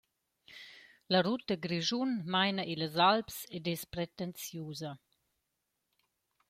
La ruta Grischun maina illas Alps ed es pretensiusa.